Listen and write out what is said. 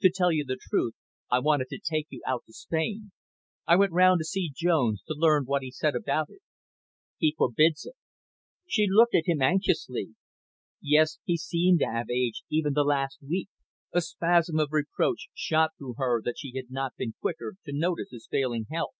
"To tell you the truth, I wanted to take you out to Spain. I went round to see Jones, to learn what he said about it. He forbids it." She looked at him anxiously. Yes, he seemed to have aged even the last week. A spasm of reproach shot through her that she had not been quicker to notice his failing health.